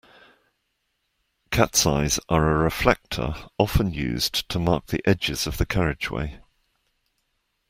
Cats eyes are a reflector often used to mark the edges of the carriageway